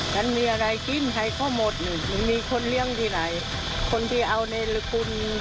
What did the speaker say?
มันมีอะไรกินให้เขาหมดนี่ไม่มีคนเลี้ยงที่ไหนคนที่เอาเนรคุณ